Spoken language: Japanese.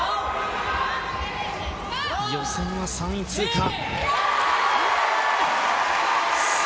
予選は３位通過。